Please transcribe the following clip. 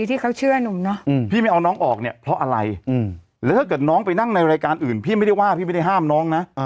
ที่เขาเชื่อหนุ่มเนาะพี่ไม่เอาน้องออกเนี่ยเพราะอะไรแล้วถ้าเกิดน้องไปนั่งในรายการอื่นพี่ไม่ได้ว่าพี่ไม่ได้ห้ามน้องนะ